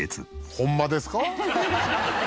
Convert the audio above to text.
ホンマですか？